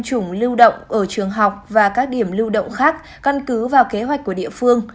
chủng lưu động ở trường học và các điểm lưu động khác căn cứ vào kế hoạch của địa phương